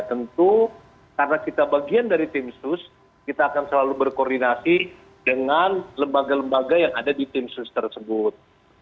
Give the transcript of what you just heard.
tentu karena kita bagian dari timsus kita akan selalu berkoordinasi dengan lembaga lembaga yang ada di timsus tersebut